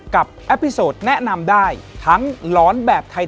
ขอบคุณนะครับ